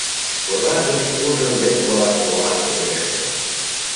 — Пожар гыч куржын лекмыла толаш вереште.